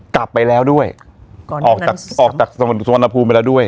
กลับไปแล้วด้วยออกจากสวนภูมิไปแล้วด้วย